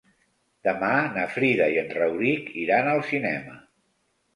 Demà na Frida i en Rauric iran al cinema.